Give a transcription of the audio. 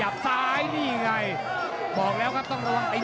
กาดเกมสีแดงเดินแบ่งมูธรุด้วย